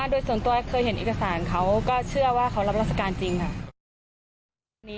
โดยส่วนตัวเคยเห็นเอกสารเขาก็เชื่อว่าเขารับราชการจริงค่ะ